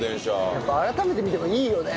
やっぱ改めて見てもいいよね。